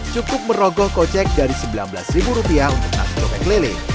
cukup merogoh kocek dari rp sembilan belas untuk nasi cobek lele